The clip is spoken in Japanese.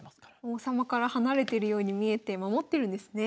王様から離れてるように見えて守ってるんですね。